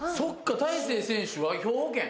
大勢選手は兵庫県。